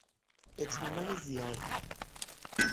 اطمینان زیاد